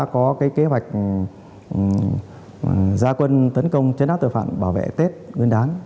có cái kế hoạch gia quân tấn công chấn áp tội phạm bảo vệ tết nguyên đán